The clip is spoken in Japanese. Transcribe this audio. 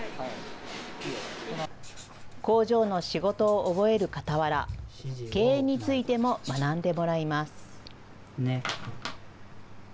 工場の仕事を覚えるかたわら、経営についても学んでもらいます。